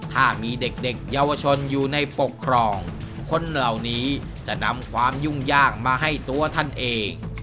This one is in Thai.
ถ้ามีเด็กเยาวชนอยู่ในปกครองคนเหล่านี้จะนำความยุ่งยากมาให้ตัวท่านเอง